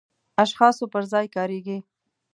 اشخاصو پر ځای کاریږي.